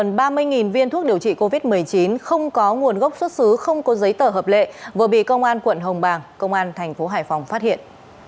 gần ba mươi viên thuốc điều trị covid một mươi chín không có nguồn gốc xuất xứ không có giấy tờ hợp lệ vừa bị công an quận hồng bàng công an thành phố hải phòng phát hiện